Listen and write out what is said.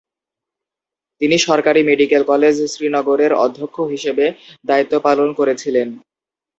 তিনি সরকারি medical college, শ্রীনগরের অধ্যক্ষ হিসেবে দায়িত্ব পালন করেছিলেন।